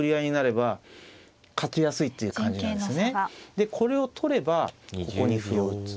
でこれを取ればここに歩を打つ。